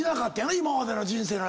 今までの人生の中で。